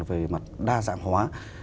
về mặt đa dạng hóa